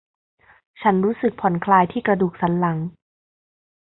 ฉันรู้สึกผ่อนคลายที่กระดูกสันหลัง